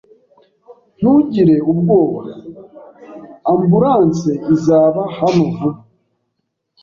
Ntugire ubwoba. Ambulanse izaba hano vuba.